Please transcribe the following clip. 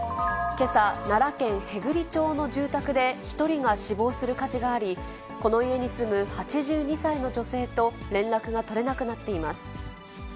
けさ、奈良県平群町の住宅で１人が死亡する火事があり、この家に住む８２歳の女性と連絡が取れなくなっています。